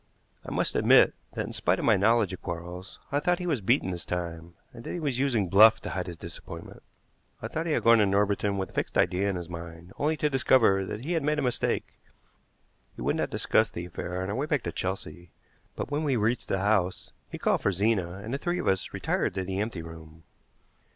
I must admit that, in spite of my knowledge of Quarles, I thought he was beaten this time, and that he was using bluff to hide his disappointment. I thought he had gone to Norbiton with a fixed idea in his mind, only to discover that he had made a mistake. He would not discuss the affair on our way back to Chelsea; but when we reached the house, he called for Zena, and the three of us retired to the empty room.